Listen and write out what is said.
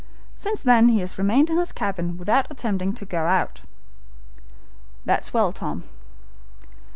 "Since then he has remained in his cabin without attempting to go out." "That's well, Tom."